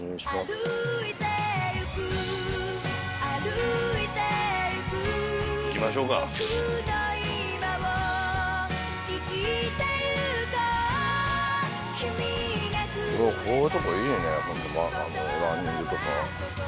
こういうとこいいねやっぱランニングとか。